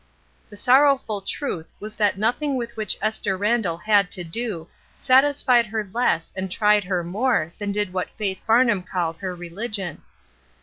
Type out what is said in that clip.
The sorrowful truth was that nothing with which Esther Randall had to do satisfied her less and tried her more than did what Faith Farnham called her religion.